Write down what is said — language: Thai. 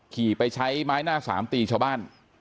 ขี่ไปใช้ไม้หน้าสามตีชาวบ้าน